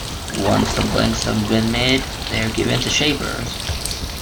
Once the blanks have been made they are given to shapers.